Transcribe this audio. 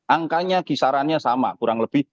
angkanya kisarannya sama kurang lebih